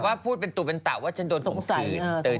ว่าพูดเป็นตุ๋เป็นตาว่าฉันโดนขมขึ้น